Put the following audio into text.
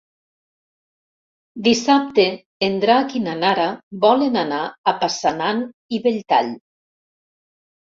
Dissabte en Drac i na Nara volen anar a Passanant i Belltall.